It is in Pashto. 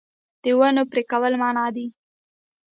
د ونو پرې کول منع دي